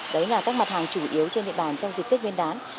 đấy là các mặt hàng chủ yếu trên địa bàn trong dịp tết nguyên đán